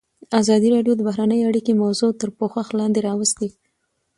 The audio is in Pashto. ازادي راډیو د بهرنۍ اړیکې موضوع تر پوښښ لاندې راوستې.